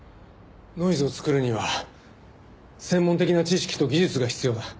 ノイズを作るには専門的な知識と技術が必要だ。